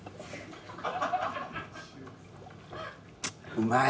うまい。